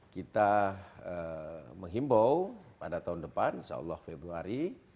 kita menghimbau pada tahun depan insya allah februari